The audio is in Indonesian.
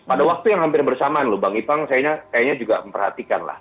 pada waktu yang hampir bersamaan loh bang ipang saya kayaknya juga memperhatikan lah